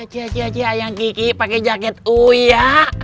cia cia ayang kiki pakai jaket uya